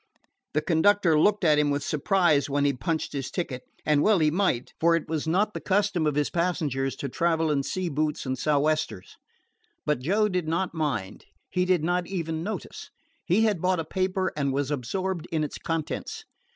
The conductor looked at him with surprise when he punched his ticket. And well he might, for it was not the custom of his passengers to travel in sea boots and sou'westers. But Joe did not mind. He did not even notice. He had bought a paper and was absorbed in its contents.